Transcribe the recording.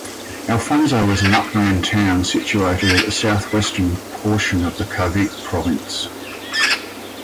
Alfonso is an upland town situated at the south-western portion of the Cavite province.